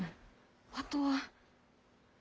あとは。